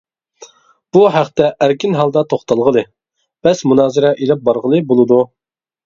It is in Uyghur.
بۇ ھەقتە ئەركىن ھالدا توختالغىلى، بەس-مۇنازىرە ئېلىپ بارغىلى بولىدۇ.